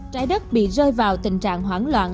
trái đất bị rơi vào tình trạng hoảng loạn